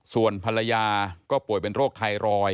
ส่วนภรรยาก็ป่วยเป็นโรคไทรอยด์